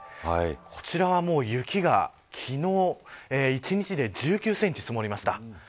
こちらは雪が昨日一日で１９センチ積もりました。